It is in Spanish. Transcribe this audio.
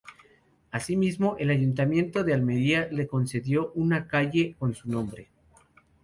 Así mismo, el Ayuntamiento de Almería le concedió una calle con su nombre.